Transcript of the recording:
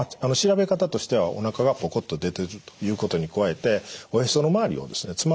調べ方としてはおなかがポコッと出ているということに加えておへその周りをですね